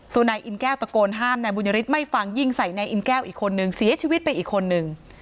นายอินแก้วตะโกนห้ามนายบุญยฤทธิไม่ฟังยิงใส่นายอินแก้วอีกคนนึงเสียชีวิตไปอีกคนนึง